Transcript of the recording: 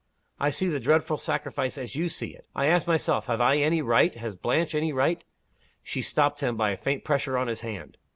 "I see the dreadful sacrifice as you see it. I ask myself, have I any right, has Blanche any right " She stopped him by a faint pressure of his hand.